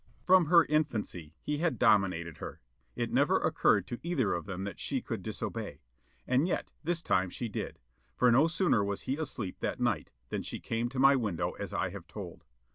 From her infancy he had dominated her; it never occurred to either of them that she could disobey. And yet, this time she did; for no sooner was he asleep that night than she came to my window as I have told.